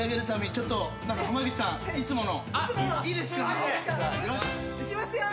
いきますよ！